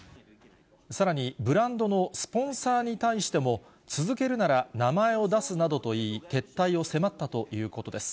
さらにブランドのスポンサーに対しても、続けるなら名前を出すなどと言い、撤退を迫ったということです。